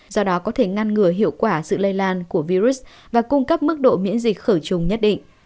do đó có thể ngăn ngừa hiệu quả sự lây lan của virus và cung cấp mức độ miễn dịch khởi trùng nhất định